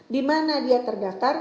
dimana dia terdaftar